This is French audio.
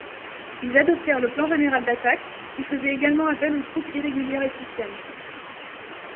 Ils adoptèrent le plan général d’attaque, qui faisait également appel aux troupes irrégulières éthiopiennes.